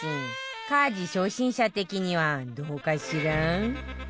家事初心者的にはどうかしら？